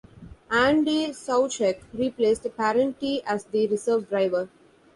Andy Soucek replaced Parente as the reserve driver.